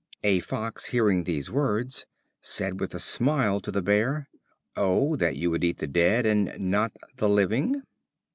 A Fox hearing these words said with a smile to the Bear: "Oh, that you would eat the dead and not the living!"